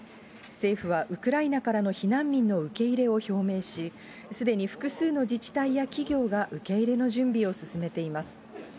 政府はウクライナからの避難民を受け入れを表明し、すでに複数の自治体や企業が受け入れの準備を進めています。